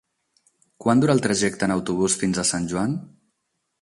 Quant dura el trajecte en autobús fins a Sant Joan?